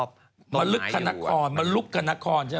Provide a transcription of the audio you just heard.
ไปมาหมดแล้วนะ